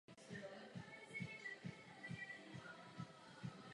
Můj prvotní zájem je ochrana pracovníků.